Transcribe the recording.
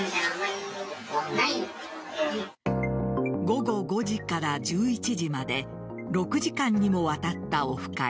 午後５時から１１時まで６時間にもわたったオフ会。